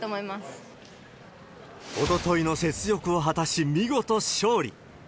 まおとといの雪辱を果たし、見事勝利。